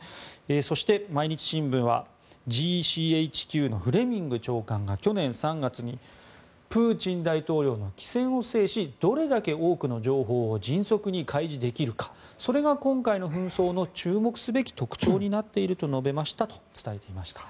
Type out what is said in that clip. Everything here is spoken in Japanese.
そして、毎日新聞はＧＣＨＱのフレミング長官が去年３月にプーチン大統領の機先を制しどれだけ多くの情報を迅速に開示できるかそれが今回の紛争の注目すべき特徴になっていると述べましたと伝えていました。